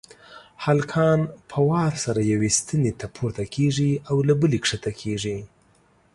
هلکان په وار سره یوې ستنې ته پورته کېږي او له بلې کښته کېږي.